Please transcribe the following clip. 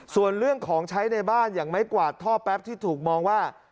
ส่วนเรื่องของใช้ในบ้านอย่างไม้กวาดท่อแป๊บที่ถูกมองว่า